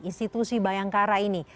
institusi bayangkara ini